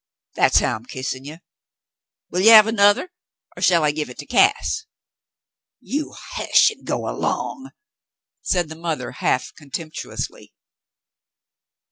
That's how I'm kissin' you. Will you have anothah, or shall I give hit to Cass ?" "You hush an* go 'long," said the mother, half con temptuously.